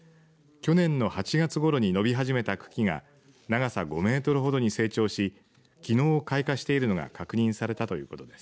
去年の８月ごろに伸び始めた茎が長さ５メートルほどに成長しきのう開花しているのが確認されたということです。